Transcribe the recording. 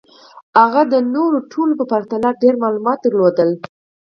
هغه د نورو ټولو په پرتله ډېر معلومات درلودل